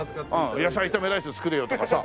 野菜炒めライス作れよとかさ。